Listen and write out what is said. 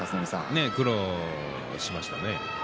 苦労しましたね。